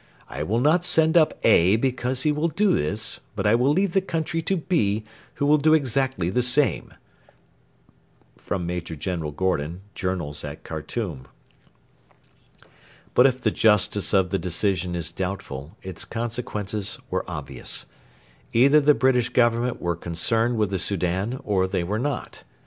I will not send up 'A' because he will do this, but I will leave the country to 'B', who will do exactly the same [Major General Gordon, JOURNALS AT KHARTOUM.] But if the justice of the decision is doubtful, its consequences were obvious. Either the British Government were concerned with the Soudan, or they were not.